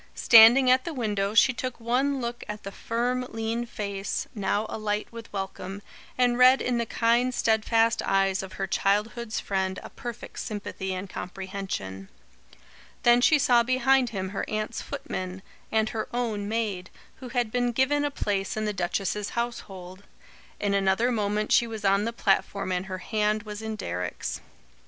Standing at the window, she took one look at the firm lean face, now alight with welcome, and read in the kind, steadfast eyes of her childhood's friend a perfect sympathy and comprehension. Then she saw behind him her aunt's footman, and her own maid, who had been given a place in the duchess's household. In another moment she was on the platform and her hand was in Deryck's.